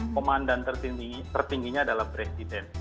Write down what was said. komandan tertingginya adalah presiden